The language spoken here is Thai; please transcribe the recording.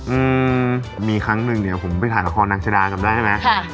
อืมมีครั้งหนึ่งเดี๋ยวผมไปถ่ายละครนักชะดาเขื่อจำได้ไหมค่ะ